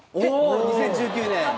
２０１９年。